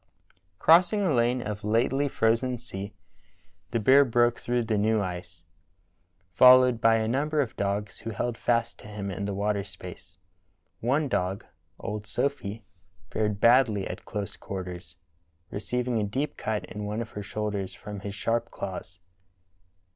Crossing a lane of lately frozen sea, the bear broke through the new ice, followed by a number of dogs who held fast to him in the water space. One dog, old Sophy, fared badl)^ at close quarters, receiving a deep cut in one of her shoulders from his sharp claws.